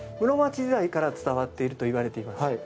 室町時代から伝わっているといわれています。